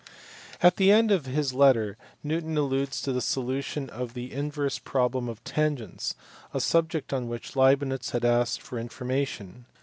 At the end of his letter Newton alludes to the solution of the "inverse problem of tangents," a subject on which Leibnitz had asked for information.